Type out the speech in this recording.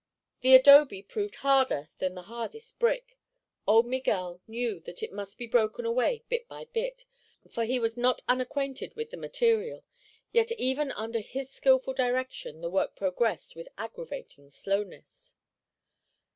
The adobe proved harder than the hardest brick. Old Miguel knew that it must be broken away bit by bit, for he was not unacquainted with the material, yet even under his skillful direction the work progressed with aggravating slowness.